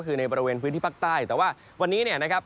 คือในบริเวณพื้นที่ภาคใต้แต่ว่าวันนี้เนี่ยนะครับ